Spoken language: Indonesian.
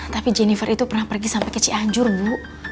tapi jennifer itu pernah pergi sampai ke cianjur bu